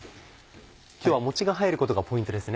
今日はもちが入ることがポイントですね。